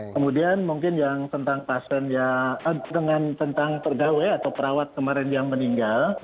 kemudian mungkin yang tentang pasiennya dengan tentang pergawe atau perawat kemarin yang meninggal